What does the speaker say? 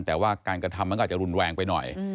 แต่ว่าการกระทำมันก็อาจจะรุนแรงไปหน่อย